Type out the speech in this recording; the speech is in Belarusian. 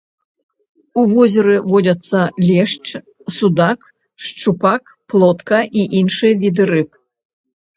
У возеры водзяцца лешч, судак, шчупак, плотка і іншыя віды рыб.